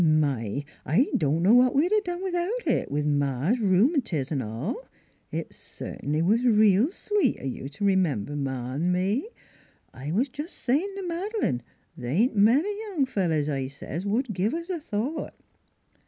" My ! I don' know what we'd a done without it, with Ma's r'eumatiz an' all. It cert'ly was reel sweet o' you t' r'member Ma an' me. I was jest a sayin' t' Mad'lane, * Th' ain't many young fellers,' I says, * would give us a thought.'